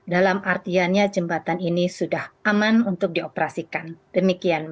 dalam artiannya jembatan ini sudah aman untuk dioperasikan demikian